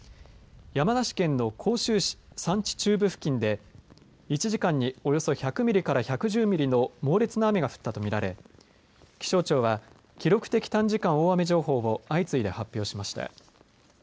山梨県の甲州市山地中部付近で１時間に、およそ１００ミリから１１０ミリの猛烈な雨が降ったと見られ気象庁は記録的短時間大雨情報を相次いで発表しました。